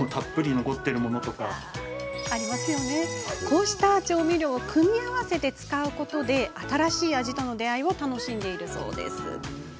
こうした調味料を組み合わせて使うことで、新たな味との出会いを楽しんでいるそうです。